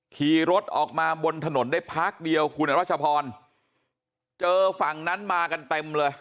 ขี่รถออกมาบนถนนได้พักเดียวคุณรัชพรเจอฝั่งนั้นมากันเต็มเลย